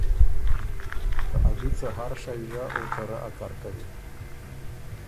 که ا بی څه هر شئ ژۀ او ته رۀ ا کر کوی۔